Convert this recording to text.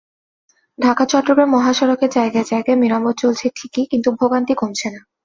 ঢাকা-চট্টগ্রাম মহাসড়কের জায়গায় জায়গায় মেরামত চলছে ঠিকই, কিন্তু ভোগান্তি কমছে না।